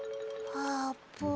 あーぷん。